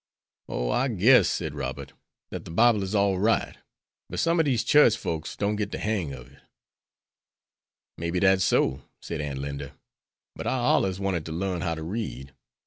"O, I guess," said Robert, "that the Bible is all right, but some of these church folks don't get the right hang of it." "May be dat's so," said Aunt Linda. "But I allers wanted to learn how to read.